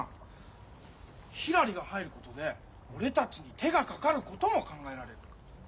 ひらりが入ることで俺たちに手がかかることも考えられる。